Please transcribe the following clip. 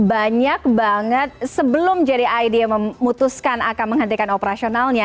banyak banget sebelum jadi idea memutuskan akan menghentikan operasionalnya